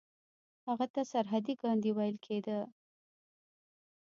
هغه ته سرحدي ګاندي ویل کیده.